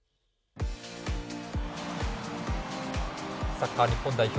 サッカー日本代表